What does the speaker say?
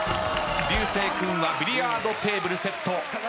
流星君はビリヤードテーブルセット。